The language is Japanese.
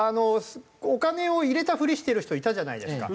お金を入れたふりしてる人いたじゃないですか。